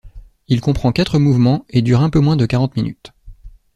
Il comprend quatre mouvement et dure un peu moins de quarante minutes.